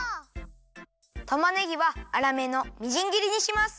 たまねぎはあらめのみじんぎりにします。